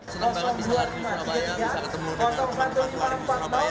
senang banget bisa lari di surabaya bisa ketemu dengan teman teman warga di surabaya